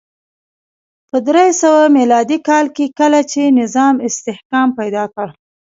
په درې سوه میلادي کال کې کله چې نظام استحکام پیدا کړ